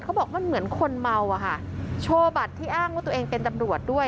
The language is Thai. เขาบอกมันเหมือนคนเมาอะค่ะโชว์บัตรที่อ้างว่าตัวเองเป็นตำรวจด้วย